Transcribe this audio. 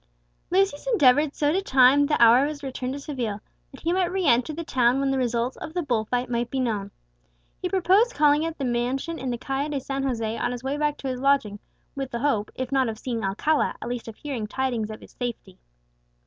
Lucius endeavoured so to time the hour of his return to Seville that he might re enter the town when the result of the bull fight might be known. He proposed calling at the mansion in the Calle de San José on his way back to his lodging, with the hope, if not of seeing Alcala, at least of hearing tidings of his safety.